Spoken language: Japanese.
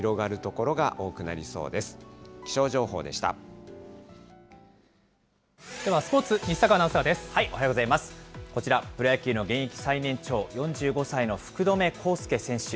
こちら、プロ野球の現役最年長、４５歳の福留孝介選手。